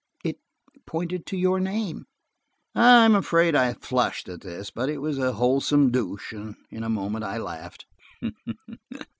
It pointed to your name." I am afraid I flushed at this, but it was a wholesome douche. In a moment I laughed.